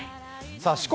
四国